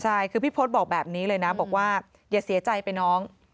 ใช่คือพี่พศบอกแบบนี้เลยนะบอกว่าอย่าเสียใจไปน้อง